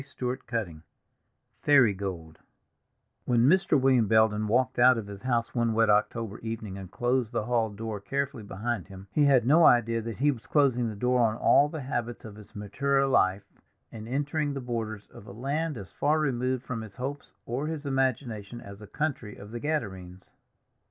Fairy Gold Fairy Gold WHEN Mr. William Belden walked out of his house one wet October evening and closed the hall door carefully behind him, he had no idea that he was closing the door on all the habits of his maturer life and entering the borders of a land as far removed from his hopes or his imagination as the country of the Gadarenes.